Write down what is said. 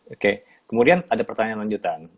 oke kemudian ada pertanyaan lanjutan